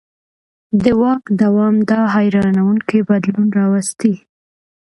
د واک دوام دا حیرانوونکی بدلون راوستی.